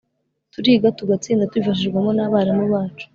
turiga tugatsinda tubifashijwemo n'abarimu bacu.